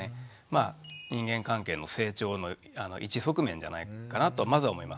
まあ人間関係の成長の一側面じゃないかなとまずは思いますね。